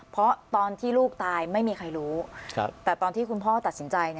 เพราะตอนที่ลูกตายไม่มีใครรู้แต่ตอนที่คุณพ่อตัดสินใจ